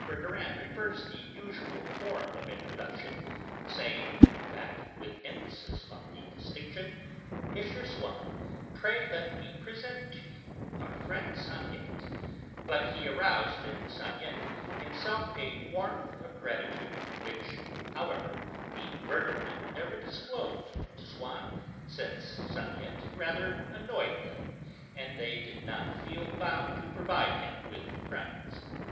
Verdurin reverse the usual form of introduction (saying, in fact, with emphasis on the distinction: "M. Swann, pray let me present to you our friend Saniette") but he aroused in Saniette himself a warmth of gratitude, which, however, the Verdurins never disclosed to Swann, since Saniette rather annoyed them, and they did not feel bound to provide him with friends.